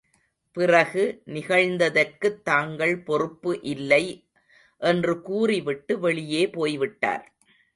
பிறகு நிகழ்ந்ததற்குத் தாங்கள் பொறுப்பு இல்லை என்று கூறி விட்டு வெளியே போய்விட்டார்.